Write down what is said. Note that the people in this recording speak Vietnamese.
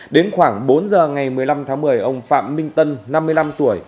đến khoảng bốn giờ ngày một mươi năm tháng một mươi ông phạm minh tân năm mươi năm tuổi